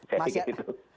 saya pikir itu